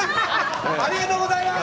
ありがとうございます！